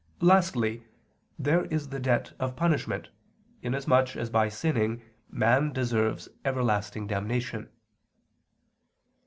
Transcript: Lastly, there is the debt of punishment, inasmuch as by sinning man deserves everlasting damnation.